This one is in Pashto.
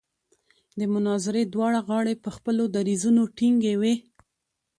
د مناظرې دواړه غاړې په خپلو دریځونو ټینګې وې.